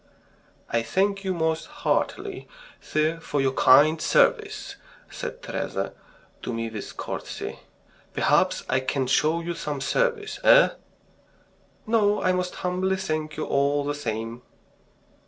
"I thank you most heartily, sir, for your kind services," said Teresa to me, with a curtsey. "Perhaps I can show you some service, eh?" "No, I most humbly thank you all the same."